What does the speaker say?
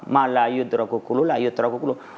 malayudra kukulu layudra kukulu